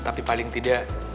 tapi paling tidak